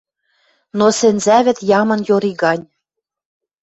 Но сӹнзӓвӹд ямын йори гань.